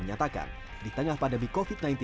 menyatakan di tengah pandemi covid sembilan belas